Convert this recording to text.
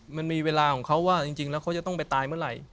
มันมีเวลาของเขาว่าจริงแล้วเขาจะต้องไปตายเมื่อไหร่